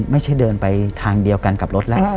ไม่ใช่เดินไปทางเดียวกันกับรถแล้ว